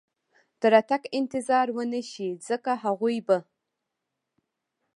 د راتګ انتظار و نه شي، ځکه هغوی به.